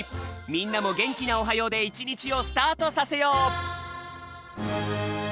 みんなもげんきなおはようでいちにちをスタートさせよう！